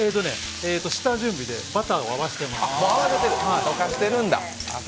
下準備でバターを合わせてます。